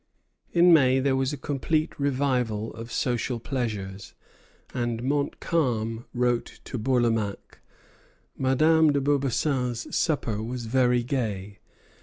In May there was a complete revival of social pleasures, and Montcalm wrote to Bourlamaque: "Madame de Beaubassin's supper was very gay.